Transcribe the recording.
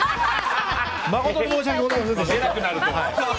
誠に申し訳ございませんとか。